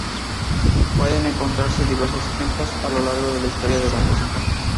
Pueden encontrarse diversos ejemplos a lo largo de historia de la música.